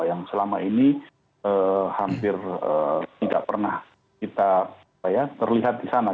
yang selama ini hampir tidak pernah kita terlihat di sana